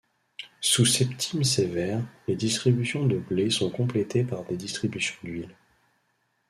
Sous Septime Sévère, les distributions de blé sont complétées par des distributions d'huile.